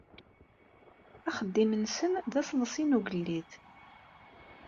Axeddim-nsen d asseḍsi n ugellid.